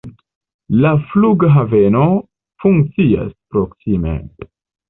La flughaveno funkcias proksime.